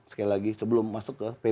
sekali lagi sebelum masuk ke p dua puluh satu